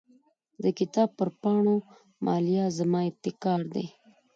د کتاب پر پاڼو مالیه زما ابتکار دی.